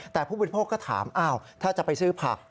แต่ผู้บริโภคก็ถามถ้าจะไปซื้อผัก